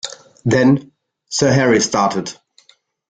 Then Sir Harry started.